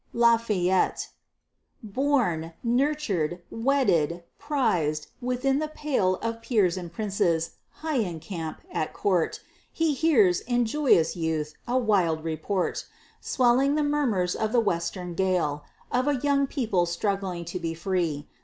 LA FAYETTE Born, nurtured, wedded, prized, within the pale Of peers and princes, high in camp at court He hears, in joyous youth, a wild report, Swelling the murmurs of the Western gale, Of a young people struggling to be free!